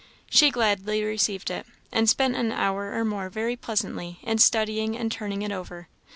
She gladly received it, and spent an hour or more very pleasantly, in studying and turning it over.